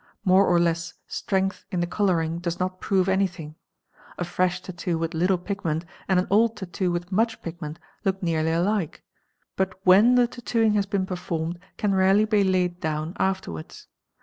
More or less strength in the colouring does not prove any thing. A fresh tattoo with little pigment and an old tattoo with much _ pigment look nearly alike, but when the tattooing has been performed can _ rarely be laid down afterwards.